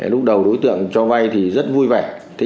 lúc đầu đối tượng cho vay thì rất vui vẻ